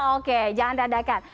oke jangan dadakan